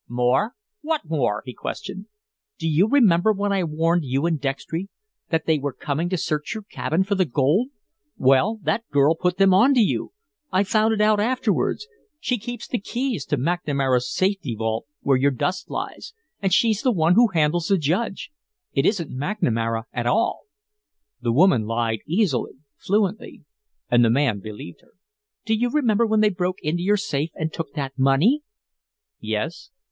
"More! What more?" he questioned. "Do you remember when I warned you and Dextry that they were coming to search your cabin for the gold? Well, that girl put them on to you. I found it out afterwards. She keeps the keys to McNamara's safety vault where your dust lies, and she's the one who handles the Judge. It isn't McNamara at all." The woman lied easily, fluently, and the man believed her. "Do you remember when they broke into your safe and took that money?" "Yes."